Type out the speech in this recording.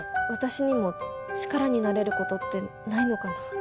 私にも力になれることってないのかな？